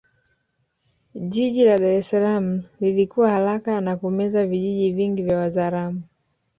Jiji la Dar es Salaam lilikua haraka na kumeza vijiji vingi vya Wazaramo